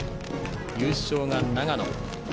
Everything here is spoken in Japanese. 優勝が長野。